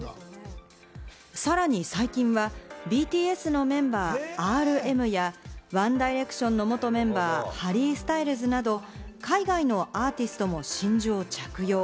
さらに最近はＢＴＳのメンバーＲＭやワンダイレクションの元メンバー、ハリー・スタイルズなど海外のアーティストも真珠を着用。